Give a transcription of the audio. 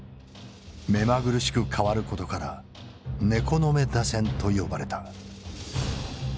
目まぐるしく変わることから猫の目打線と呼ばれた。